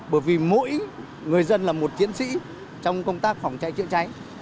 bởi vì mỗi người dân là một chiến sĩ trong công tác phòng cháy chữa cháy